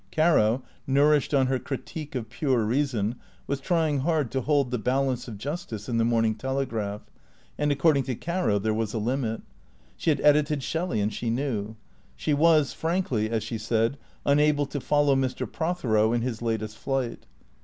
Caro, nourished on her " Criti que of Pure Eeason," was trying hard to hold the balance of justice in the " Morning Telegraph "; and according to Caro there was a limit. She had edited Shelley and she knew. She was frankly, as she said, unable to follow Mr. Prothero in his latest flight.